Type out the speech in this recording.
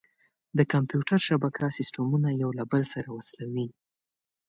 د کمپیوټر شبکه سیسټمونه یو له بل سره وصلوي.